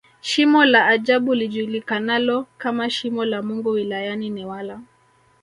Shimo la ajabu lijulikanalo kama Shimo la Mungu wilayani Newala